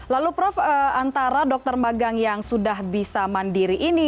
lalu prof antara dokter magang yang sudah bisa mandiri ini